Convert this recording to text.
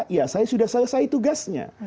ya saya sudah selesai tugasnya